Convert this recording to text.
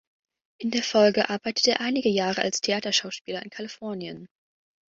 In der Folge arbeitete er einige Jahre als Theaterschauspieler in Kalifornien.